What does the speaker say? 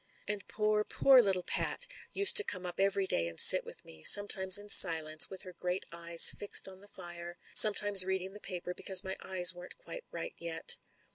And Pat, poor little Pat, used to come up every day and sit with me, sometimes in silence, with her great eyes fixed on the fire, sometimes reading the paper, because my eyes weren't quite right yet.